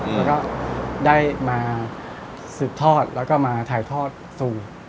แล้วก็ได้มาสืบทอดแล้วก็มาถ่ายทอดสู่